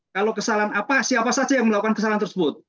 kalau kesalahan apa siapa saja yang melakukan kesalahan tersebut